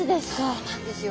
そうなんですよ。